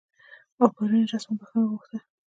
او پرون یې رسما بخښنه وغوښته